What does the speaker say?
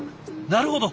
なるほど。